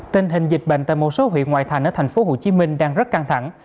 tình hình dịch bệnh tại một số huyện ngoại thành ở tp hcm đang rất căng thẳng